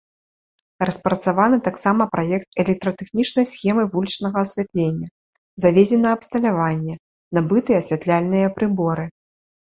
Распрацаваны таксама праект электратэхнічнай схемы вулічнага асвятлення, завезена абсталяванне, набыты асвятляльныя прыборы.